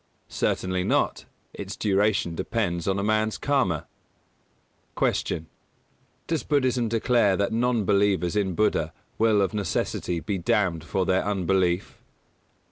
Certainly not. Its duration depends on a man's Karma. 223. Q. _Does Buddhism declare that non believers in Buddha will of necessity be damned for their unbelief?